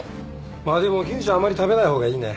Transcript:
まあでも絹ちゃんあまり食べない方がいいね。